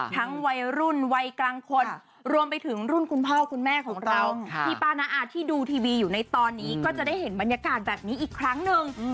วัยรุ่นวัยกลางคนรวมไปถึงรุ่นคุณพ่อคุณแม่ของเราพี่ป้าน้าอาที่ดูทีวีอยู่ในตอนนี้ก็จะได้เห็นบรรยากาศแบบนี้อีกครั้งหนึ่ง